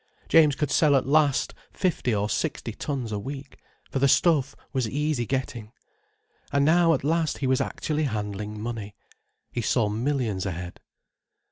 James could sell at last fifty or sixty tons a week: for the stuff was easy getting. And now at last he was actually handling money. He saw millions ahead.